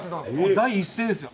第一声ですよ。